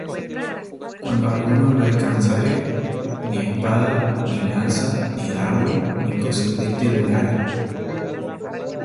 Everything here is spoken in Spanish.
Cuando alguno lo alcanzare, ni espada, Ni lanza, ni dardo, ni coselete durará.